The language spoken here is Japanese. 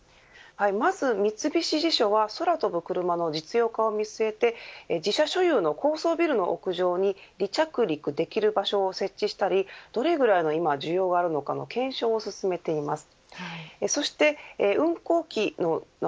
まず三菱地所は空飛ぶクルマの実用化を見据えて自社所有の高層ビルの屋上に離着陸できる場所を設置したりどのぐらいの需要があるのかの検証を進めています。